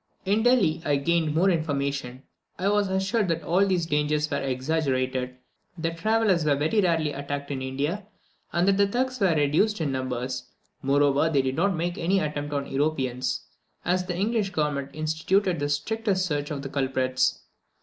In Delhi, I gained more information. I was assured that all these dangers were exaggerated; that travellers were very rarely attacked in India, and that the Thugs were much reduced in numbers. Moreover, they did not make any attempt upon Europeans, as the English government instituted the strictest search for the culprits.